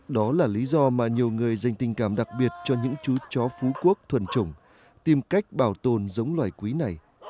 đó là lý do mà nhiều người dành tình cảm đặc biệt cho những chú chó phú quốc thuần trùng tìm cách bảo tồn giống loài quý này